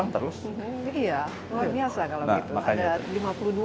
iya luar biasa kalau begitu